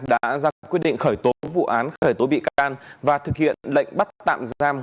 đã ra quyết định khởi tố vụ án khởi tố bị can và thực hiện lệnh bắt tạm giam